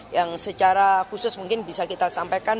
yang secara khusus mungkin bisa kita sampaikan